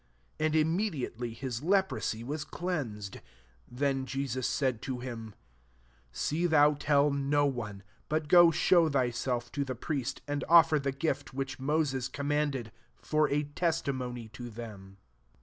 And immediately his le* prosy ws^ cleansed. 4 Then Je sus said to him, << See thou tell no one ; but go show thyself ta the priest, and offer the gift which Moses commanded ; for a testimony to them.'